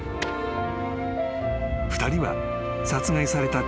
［２人は殺害された］